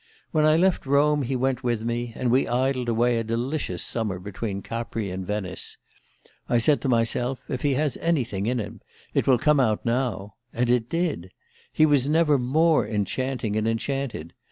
When I left Rome he went with me, and we idled away a delicious summer between Capri and Venice. I said to myself: 'If he has anything in him, it will come out now; and it did. He was never more enchanting and enchanted.